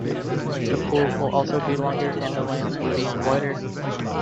The pool will also be longer and the lanes will be wider.